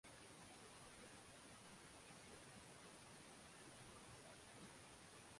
Hivyo uzuri wa visiwa vya Zanzibar ni kutokana na vivutio vyake